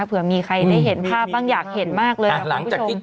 เผื่อมีใครได้เห็นภาพบ้างอยากเห็นมากเลยคุณผู้ชม